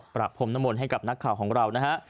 ปรับผมน้ำมนต์ให้กับนักข่าวของเรานะฮะ